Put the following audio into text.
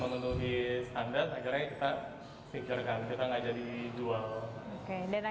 harusan terlebih lagi saja dari mereka